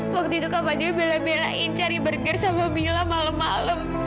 waktu itu kamu belain belain cari burger sama mila malam malam